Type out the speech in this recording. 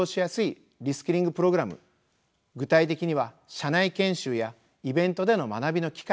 具体的には社内研修やイベントでの学びの機会